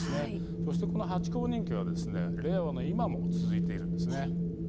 そして、このハチ公人気令和の今も続いているんです。